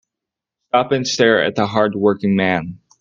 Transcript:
Stop and stare at the hard working man.